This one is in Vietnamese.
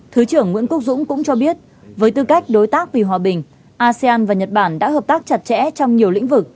thứ trưởng nguyễn quốc dũng cũng cho biết với tư cách đối tác vì hòa bình asean và nhật bản đã hợp tác chặt chẽ trong nhiều lĩnh vực